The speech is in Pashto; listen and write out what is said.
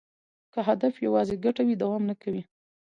که هدف یوازې ګټه وي، دوام نه کوي.